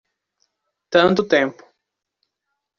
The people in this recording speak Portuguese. Tanto tempo